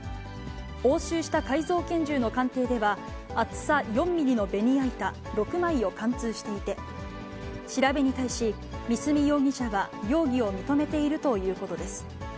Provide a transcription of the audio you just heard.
押収した改造拳銃の鑑定では、厚さ４ミリのベニヤ板６枚を貫通していて、調べに対し、三角容疑者は容疑を認めているということです。